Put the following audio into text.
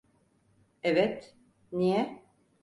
Evet, niye?